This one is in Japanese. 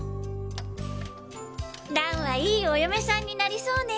蘭はいいお嫁さんになりそうね。